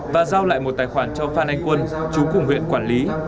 và giao lại một tài khoản cho phan anh quân chú cùng huyện quản lý